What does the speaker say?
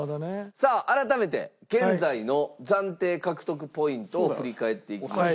さあ改めて現在の暫定獲得ポイントを振り返っていきましょう。